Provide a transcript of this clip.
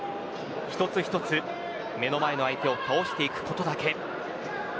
一つ一つ目の前の相手を倒していくことだけ。